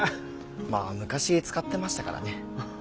まあ昔使ってましたからね。